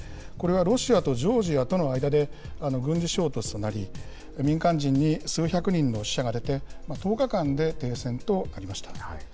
これはロシアとジョージアとの間で、軍事衝突となり、民間人に数百人の死者が出て、１０日間で停戦となりました。